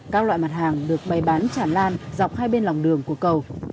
các loại mặt hàng được bày bán chản lan dọc hai bên lòng đường của cầu